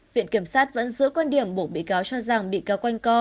viện kiểm sát vẫn giữ quan điểm buộc bị cáo cho rằng bị cáo quanh co